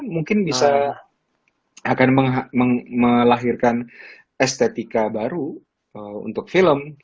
mungkin bisa akan melahirkan estetika baru untuk film